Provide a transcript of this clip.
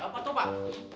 ada apa tuh pak